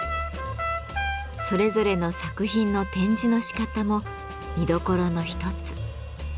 それぞれの作品の展示のしかたも見どころの一つ。